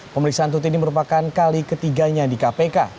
pemeriksaan tuti ini merupakan kali ketiganya di kpk